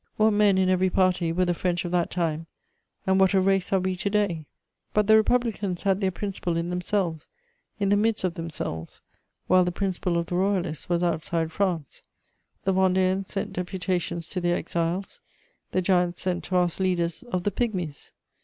What men, in every party, were the French of that time, and what a race are we to day! But the Republicans had their principle in themselves, in the midst of themselves, while the principle of the Royalists was outside France. The Vendeans sent deputations to the exiles; the giants sent to ask leaders of the pigmies.